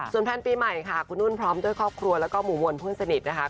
แพลนปีใหม่ค่ะคุณนุ่นพร้อมด้วยครอบครัวแล้วก็หมู่มวลเพื่อนสนิทนะคะ